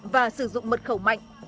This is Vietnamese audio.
và sử dụng mật khẩu mạnh